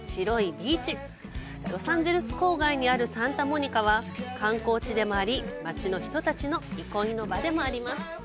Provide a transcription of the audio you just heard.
ロサンゼルス郊外にあるサンタモニカは、観光地でもあり街の人たちの憩いの場でもあります。